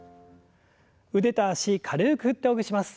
腕と脚軽く振ってほぐします。